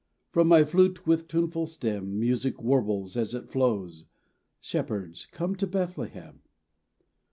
From my flute with tuneful stem Music warbles as it flows, "Shepherds, come to Bethlehem."